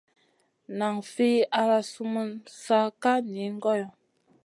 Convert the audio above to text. Nan fi al sumun sa ka niyn goyo.